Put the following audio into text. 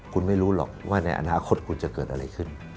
คุณไม่รู้หรอกว่าในอนาคตคุณจะเกิดอะไรขึ้น